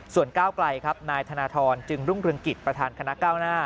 ส่วนก้าวไกลครับนายธนทรจึงรุ่งเรืองกิจประธานคณะก้าวหน้า